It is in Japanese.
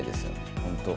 本当。